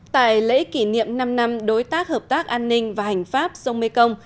tại lễ kỷ niệm năm năm đối tác hợp tác an ninh và hành pháp sông mê công